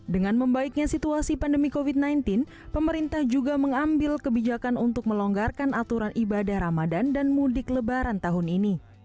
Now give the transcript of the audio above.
dengan membaiknya situasi pandemi covid sembilan belas pemerintah juga mengambil kebijakan untuk melonggarkan aturan ibadah ramadan dan mudik lebaran tahun ini